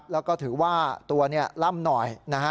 แล้วก็ถือว่าตัวนี่ล่ำหน่อย